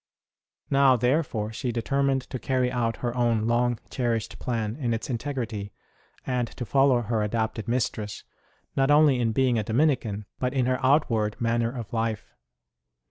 Now, therefore, she determined to carry out her own long cherished plan in its integrity, and to follow her adopted mistress, not only in being a Dominican, but in her outward manner of life.